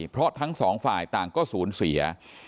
เพราะทั้งสองฝ่ายต่างก็สูญเสีย